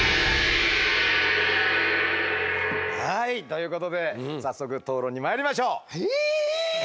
はいということで早速討論にまいりましょう。